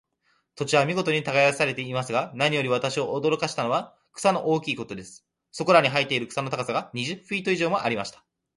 土地は見事に耕されていますが、何より私を驚かしたのは、草の大きいことです。そこらに生えている草の高さが、二十フィート以上ありました。